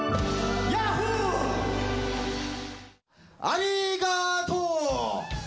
ありがとう！